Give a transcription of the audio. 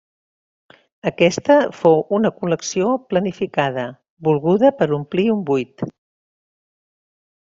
Aquesta fou una col·lecció planificada, volguda per omplir un buit.